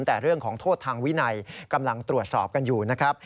แต่เรื่องของโทษทางวินัยกำลังตรวจสอบกันอยู่นะครับ